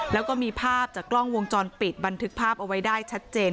แล้วก็มีภาพจากกล้องวงจรปิดบันทึกภาพเอาไว้ได้ชัดเจน